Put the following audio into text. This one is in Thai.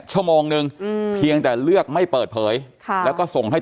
ชั่วโมงนึงเพียงแต่เลือกไม่เปิดเผยค่ะแล้วก็ส่งให้